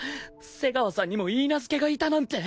瀬川さんにも許嫁がいたなんて